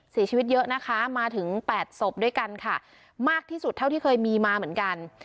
เสียชีวิตเยอะนะคะมาถึงแปดศพด้วยกันค่ะมากที่สุดเท่าที่เคยมีมาเหมือนกัน